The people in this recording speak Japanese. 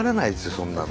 そんなの。